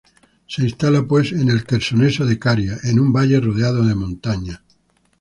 Se instala, pues, en el Quersoneso de Caria, en un valle rodeado de montañas.